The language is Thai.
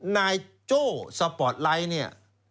นายโจสปอทไลท์นี้